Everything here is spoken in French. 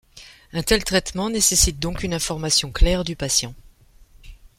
Un tel traitement nécessite donc une information claire du patient.